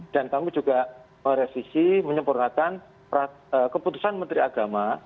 dan kami juga meresisi menyempurnakan keputusan menteri agama